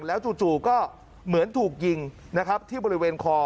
แล้วจู่ก็เหมือนถูกยิงนะครับที่บริเวณคอ